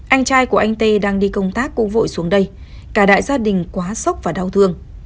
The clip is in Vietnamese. anh trai của anh tê đang đi công tác cung vội xuống đây cả đại gia đình quá sốc và đau thương